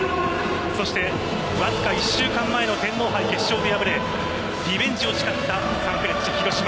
そしてわずか１週間前の天皇杯決勝で敗れリベンジを誓ったサンフレッチェ広島。